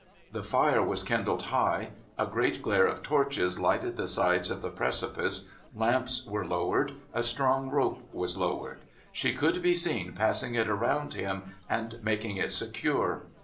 The fire was kindled high, a great glare of torches lighted the sides of the precipice, lamps were lowered, a strong rope was lowered. She couM be seen passing it round him, and making it secure.